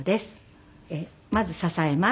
まず支えます。